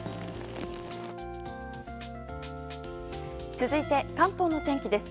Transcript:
続いて、関東の天気です。